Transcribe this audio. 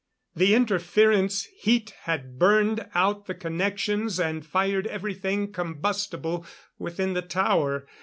The interference heat had burned out the connections and fired everything combustible within the tower.